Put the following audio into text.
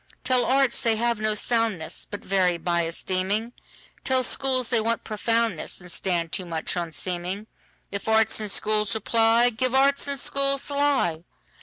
Tell arts they have no soundness, But vary by esteeming; Tell schools they want profoundness, And stand too much on seeming:If arts and schools reply, Give arts and schools the lie.